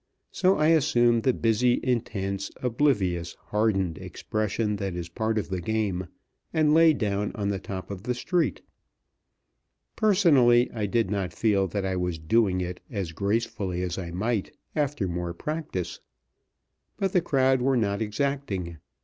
So I assumed the busy, intense, oblivious, hardened expression that is part of the game, and lay down on the top of the street. Personally, I did not feel that I was doing it as gracefully as I might after more practice; but the crowd were not exacting.